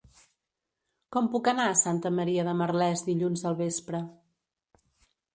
Com puc anar a Santa Maria de Merlès dilluns al vespre?